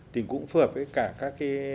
thì cũng phù hợp với cả các